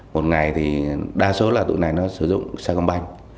một ngày thì đa số là tụi này nó sử dụng saigon bank